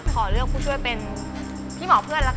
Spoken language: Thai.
ขอเลือกผู้ช่วยเป็นพี่หมอเพื่อนละค่ะ